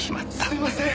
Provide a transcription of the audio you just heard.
すみません！